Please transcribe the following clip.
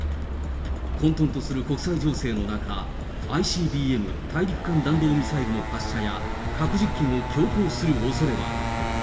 混とんとする国際情勢の中、ＩＣＢＭ・大陸間弾道ミサイルの発射や、核実験を強行するおそれは？